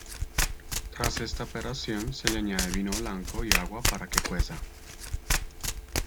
Tras esta operación se le añade vino blanco y agua para que cueza.